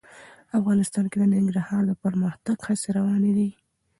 افغانستان کې د ننګرهار د پرمختګ هڅې روانې دي.